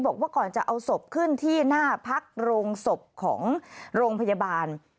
บอกว่าก่อนจะเอาศพขึ้นที่หน้าพักโรงศพของโรงพยาบาล